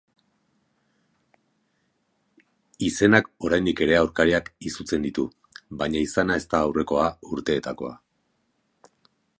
Izenak oraindik ere aurkariak izutzen ditu, baina izana ez da aurreko urteetakoa.